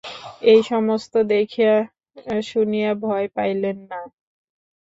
এই সমস্ত দেখিয়া শুনিয়া রাজা ভয় পাইলেন না।